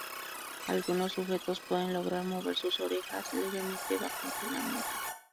Algunos sujetos pueden lograr mover sus orejas levemente bajo entrenamiento.